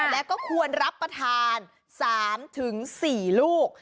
แล้วก็ควรรับประทาน๓๔ลูก